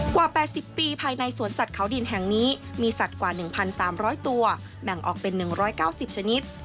กว่า๘๐ปีภายในสวนสัตว์เขาดินแห่งนี้มีสัตว์กว่า๑๓๐๐ตัวแบ่งออกเป็น๑๙๐ชนิด